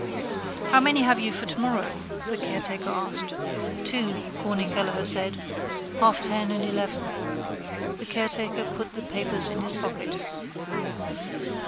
—How many have you for tomorrow? the caretaker asked. —Two, Corny Kelleher said. Half ten and eleven. The caretaker put the papers in his pocket.